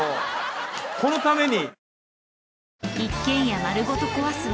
このために！